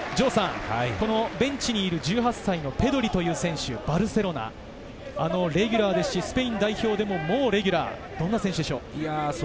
ベンチにいる１８歳のペドリという選手はバルセロナのレギュラーですし、スペイン代表でもレギュラー、どんな選手でしょうか。